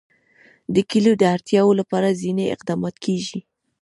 د کلیو د اړتیاوو لپاره ځینې اقدامات کېږي.